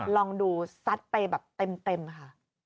ลองดูซัดไปแบบเต็มค่ะ